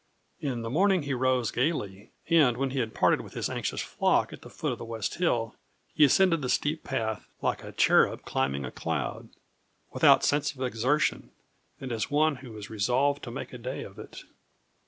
In the morning he rose gaily; and when he had parted with his anxious flock at the foot of the west hill, he ascended the steep path, like a cherub climbing a cloud, without sense of exertion, and as one who is resolved to make a day of it.